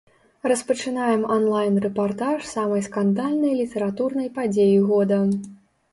Распачынаем анлайн-рэпартаж самай скандальнай літаратурнай падзеі года.